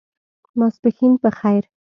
ماسپښېن په خیر !